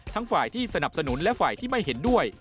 ฝ่ายที่สนับสนุนและฝ่ายที่ไม่เห็นด้วย